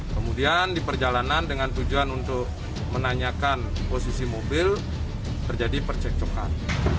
kemudian di perjalanan dengan tujuan untuk menanyakan posisi mobil terjadi percekcokan